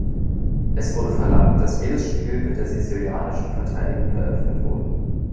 Es wurde verlangt, dass jedes Spiel mit der sizilianischen Verteidigung eröffnet wurde.